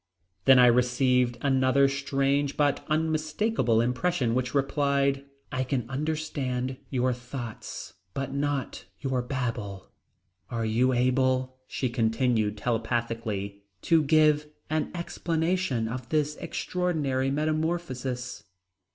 Then I received another strange but unmistakable impression which replied: "I can understand your thoughts but not your babble." "Are you able," she continued telepathically, "to give an explanation of this extraordinary metamorphosis?"